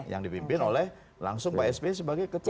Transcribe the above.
yang dipimpin oleh langsung pak sby sebagai ketua majelis tinggi partai